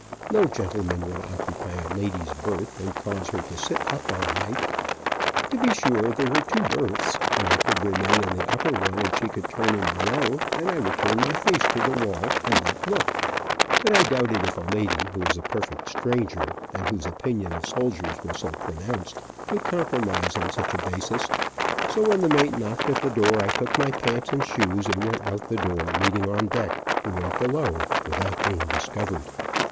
No gentleman would occupy a lady's birth, and cause her to sit up all night. To be sure there were two berths, and I could remain in the upper one, and she could turn in below, and I would turn my face to the wall and not look, but I doubted if a lady, who was a perfect stranger, and whose opinion of soldiers was so pronounced, could compromise on such a basis, so when the mate knocked at the door I took my pants and shoes and went out the door leading on deck, and went below, without being discovered.